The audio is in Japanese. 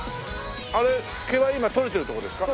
あれ毛は今取れてるって事ですか？